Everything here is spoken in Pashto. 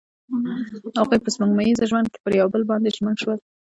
هغوی په سپوږمیز ژوند کې پر بل باندې ژمن شول.